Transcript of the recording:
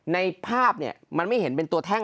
ในภาพเนี่ยมันไม่เห็นเป็นตัวแท่ง